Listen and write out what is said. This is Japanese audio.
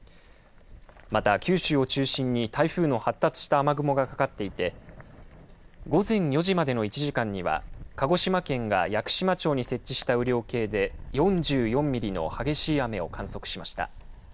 また、九州を中心に台風の発達した雨雲がかかっていて午前４時までの１時間には鹿児島県が屋久島町に設置した雨量計で４４ミリの激しい雨を観測しました。